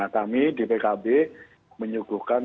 kami di pkb menyuguhkan